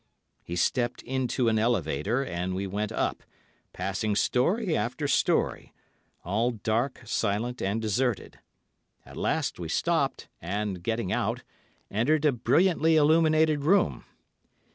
He stepped into an elevator, and we went up, passing storey after storey, all dark, silent and deserted. At last we stopped, and getting out, entered a brilliantly illuminated room.